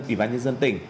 ủy ban nhân dân tỉnh